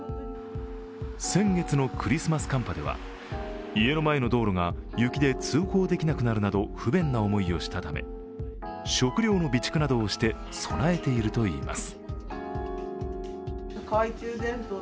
先月のクリスマス寒波では家の前の道路が雪で通行できなくなるなど不便な思いをしたため、食料の備蓄などをして備えているといいます。